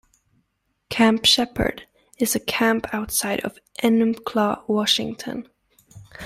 Camp Sheppard is a camp outside of Enumclaw, Washington.